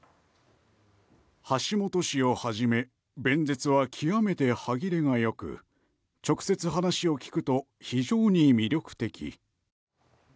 橋本氏をはじめ弁舌は極めて歯切れがよく直接話を聞くと非常に魅力的。